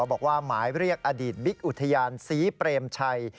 บอกว่าหมายเรียกอดีตบิ๊กอุทยานศรีเปรมชัย